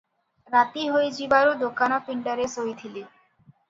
ରାତି ହୋଇଯିବାରୁ ଦୋକାନ ପିଣ୍ତାରେ ଶୋଇଥିଲି ।